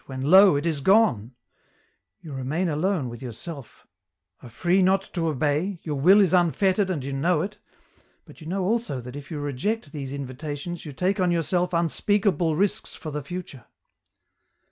when lo ! it is gone ; you remain alone with yourself, are free not to obey, your will is unfettered and you know it, but you know also that if you reject these in vitations you take on yourself unspeakable risks for the future.